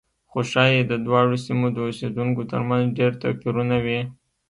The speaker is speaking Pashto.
خو ښایي د دواړو سیمو د اوسېدونکو ترمنځ ډېر توپیرونه وي.